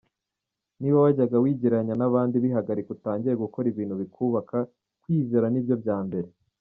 Niba wajyaga wigereranya n’abandi, bihagarike utangire gukora ibintu bikubaka, kwiyizera nibyo bya mbere.